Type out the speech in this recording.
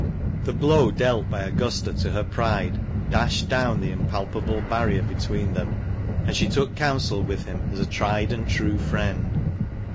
The blow dealt by Augusta to her pride dashed down the impalpable barrier between them and she took counsel with him as a tried and true friend.